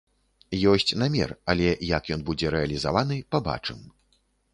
Ёсць намер, але як ён будзе рэалізаваны, пабачым.